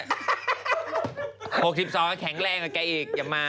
๖๒แล้วก็แข็งแรงกว่าไก่อีกอย่ามา